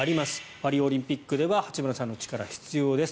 パリオリンピックでは八村さんの力が必要です。